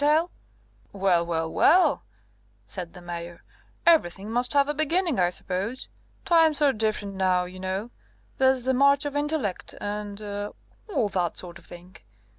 "] "Well, well, well," said the Mayor, "everything must have a beginning, I suppose. Times are different now, you know. There's the march of intellect, and er all that sort of thing.